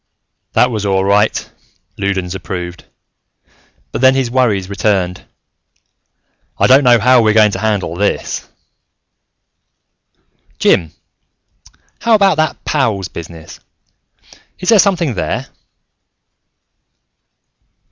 "That was all right," Loudons approved, but then his worries returned. "I don't know how we're going to handle this " "Jim, how about that pows business? Is there something there?"